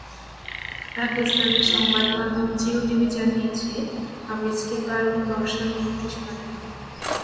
পাকিস্তানের সংবাদমাধ্যম জিও টিভি জানিয়েছে, হাফিজকে কারণ দর্শানো নোটিশ পাঠানো হবে।